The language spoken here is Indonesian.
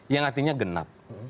yang artinya genap